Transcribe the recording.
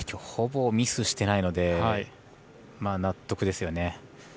ほぼミスしてないので納得ですよね。